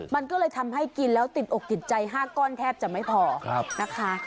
มันก็เลยทำให้กินแล้วติดอกติดใจ๕ก้อนแทบจะไม่พอนะคะ